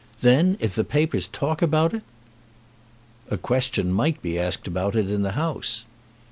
Then if the papers talk about it " "A question might be asked about it in the House."